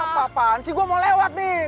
lo apaan sih gue mau lewat nih